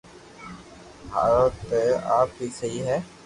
ھارو تي آپ ھي سھي ھي